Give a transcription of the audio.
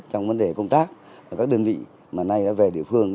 trong vấn đề công tác ở các đơn vị mà nay đã về địa phương